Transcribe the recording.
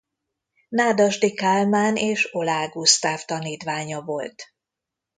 Nádasdy Kálmán és Oláh Gusztáv tanítványa volt.